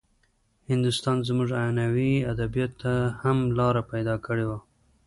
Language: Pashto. هندوستان زموږ عنعنوي ادبياتو ته هم لاره پيدا کړې وه.